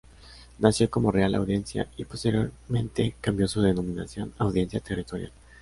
Nació como Real Audiencia y posteriormente cambió su denominación a Audiencia Territorial.